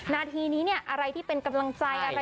นะทีนี้นี้อะไรที่เป็นกำลังใจให้พี่ตายค่ะ